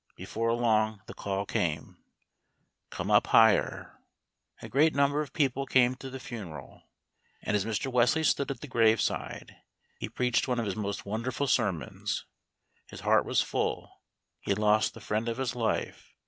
Before long the call came: "Come up higher." A great number of people came to the funeral; and as Mr. Wesley stood at the graveside, he preached one of his most wonderful sermons. His heart was full; he had lost the friend of his life.